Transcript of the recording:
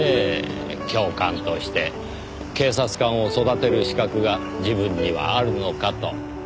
教官として警察官を育てる資格が自分にはあるのかと。